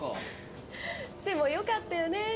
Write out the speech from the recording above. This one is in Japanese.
でもよかったよね。